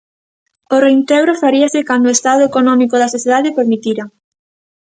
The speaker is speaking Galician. O reintegro faríase cando o estado económico da sociedade o permitira.